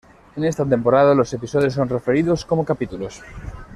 En esta temporada los episodios son referidos como "capítulos".